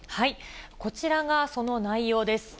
こちらがその内容です。